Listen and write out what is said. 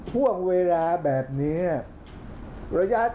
ภาคอีสานแห้งแรง